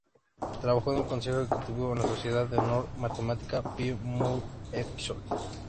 Trabajó en el consejo ejecutivo de la sociedad de honor matemática, Pi Mu Epsilon.